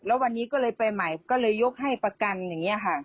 แล้ววันนี้ก็เลยไปใหม่ก็เลยยกให้ประกันอย่างนี้ค่ะ